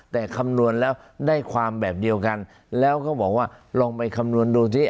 แต่คำนวณแล้วได้ความแบบเดียวกันแล้วก็บอกว่าลองไปคำนวณดูสิ